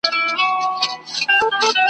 تش په خیال کي ورسره یم او خپل ښار ته غزل لیکم ,